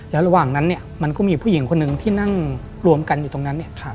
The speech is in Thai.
แล้วระหว่างนั้นมันก็มีผู้หญิงคนนึงที่นั่งรวมกันอยู่ตรงนั้น